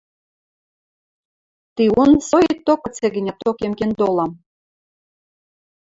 Тиун соикток кыце-гӹнят токем кен толам.